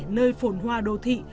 nơi phổn hoa đô thị